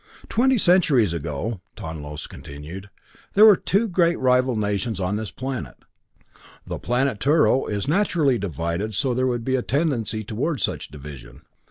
"Twenty centuries ago," Tonlos continued, "there were two great rival nations on this planet. The planet Turo is naturally divided so that there would be a tendency toward such division.